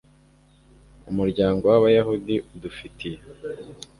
umuryango w'abayahudi udufitiye